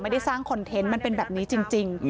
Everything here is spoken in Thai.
ไม่ได้สร้างคอนเทนต์มันเป็นแบบนี้จริง